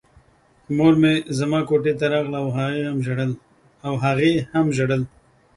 مور مې زما کوټې ته راغله او هغې هم ژړل